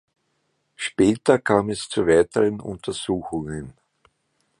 Später kam es zu weiteren Untersuchungen.